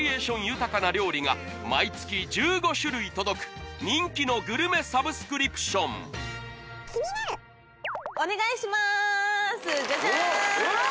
豊かな料理が毎月１５種類届く人気のグルメサブスクリプションお願いしますジャジャーンうわ